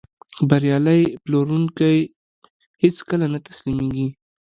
بریالی پلورونکی هیڅکله نه تسلیمېږي.